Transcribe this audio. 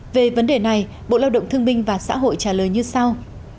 về vấn đề này bộ lao động thương minh và xã hội trả lời như sau